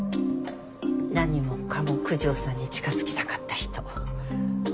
何もかも九条さんに近づきたかった人。